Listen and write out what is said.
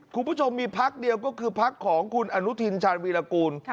คุณผู้ชมมีพักเดียวก็คือพักของคุณอนุทินชาญวีรกูล